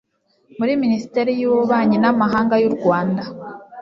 muri minisiteri y'ububanyi n'amahanga y'u Rwanda